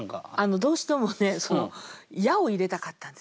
どうしてもね「や」を入れたかったんですよ。